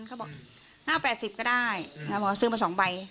เขาบอก๕๘๐ก็ได้บอกว่าซื้อมา๒ใบ